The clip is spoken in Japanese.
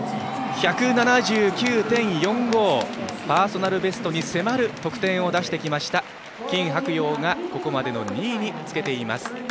パーソナルベストに迫る得点を出してきました金博洋が、ここまでの２位につけています。